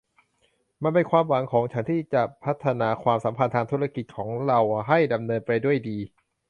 มันเป็นความหวังของฉันที่จะพัฒนาความสัมพันธ์ทางธุรกิจของเราให้ดำเนินไปด้วยดี